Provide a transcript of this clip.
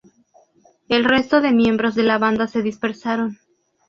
El resto de miembros de la banda se dispersaron.